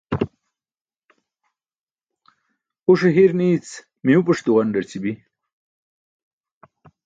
Uṣe hir nii̇c mimupuṣ duġandarći bi.